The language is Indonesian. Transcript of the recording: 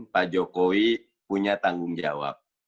pak jokowi punya tanggung jawab